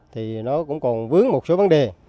thì nó cũng còn vướng một số vấn đề